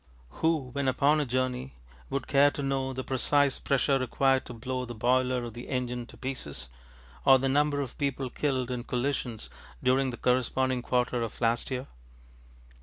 Who, when upon a journey, would care to know the precise pressure required to blow the boiler of the engine to pieces, or the number of people killed in collisions during the corresponding quarter of last year?